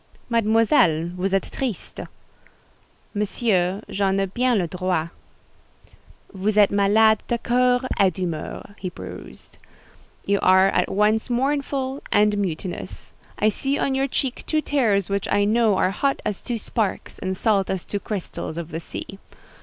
"Mademoiselle, vous êtes triste." "Monsieur, j'en ai bien le droit." "Vous êtes malade de coeur et d'humeur," he pursued. "You are at once mournful and mutinous. I see on your cheek two tears which I know are hot as two sparks, and salt as two crystals of the sea.